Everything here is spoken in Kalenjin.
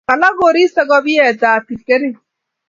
Kalaa koristo kopiet ap Kipkering'.